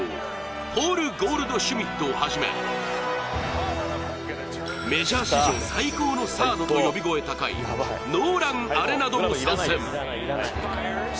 ポール・ゴールドシュミットをはじめメジャー史上最高のサードと呼び声高い、ノーラン・アレナドも参戦。